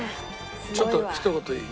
ちょっとひと言いい？